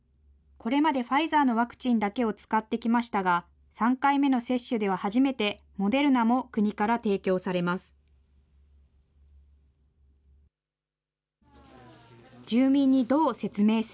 これまでファイザーのワクチンだけを使ってきましたが、３回目の接種では初めてモデルナも国から提供されます。